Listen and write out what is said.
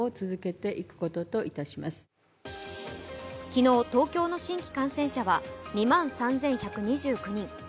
昨日、東京の新規感染者は２万３１２９人。